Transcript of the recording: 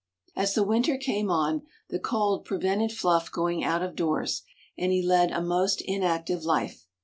As the winter came on the cold prevented Fluff going out of doors, and he led a most inactive life.